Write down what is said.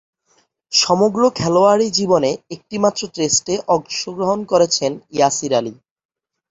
সমগ্র খেলোয়াড়ী জীবনে একটিমাত্র টেস্টে অংশগ্রহণ করেছেন ইয়াসির আলী।